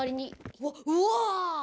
うわっうわ！